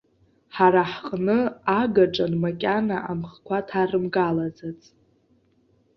Ҳара ҳҟны, агаҿан, макьана амхқәа ҭарымгалаӡаҵ.